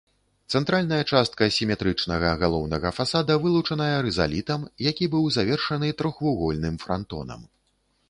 Цэнтральная частка сіметрычнага галоўнага фасада вылучаная рызалітам, які быў завершаны трохвугольным франтонам.